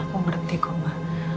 aku mengerti koma